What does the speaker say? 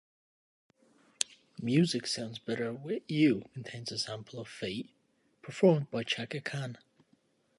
"Music Sounds Better with You" contains a sample of "Fate" performed by Chaka Khan.